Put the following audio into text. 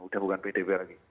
udah bukan pdb lagi